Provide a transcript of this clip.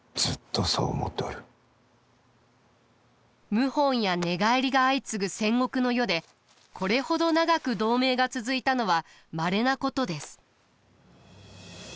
謀反や寝返りが相次ぐ戦国の世でこれほど長く同盟が続いたのはまれなことです。